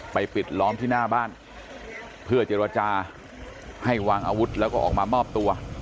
ปิดล้อมที่หน้าบ้านเพื่อเจรจาให้วางอาวุธแล้วก็ออกมามอบตัว